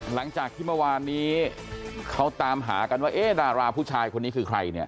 หลังจากที่เมื่อวานนี้เขาตามหากันว่าเอ๊ะดาราผู้ชายคนนี้คือใครเนี่ย